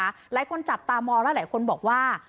หลายคนจับตามองแล้วหลายคนบอกว่า